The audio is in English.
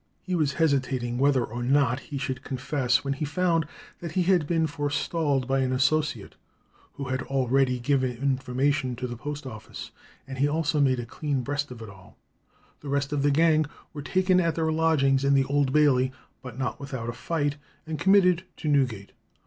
He was hesitating whether or not he should confess, when he found that he had been forestalled by an associate, who had already given information to the post office, and he also made a clean breast of it all. The rest of the gang were taken at their lodgings in the Old Bailey, but not without a fight, and committed to Newgate.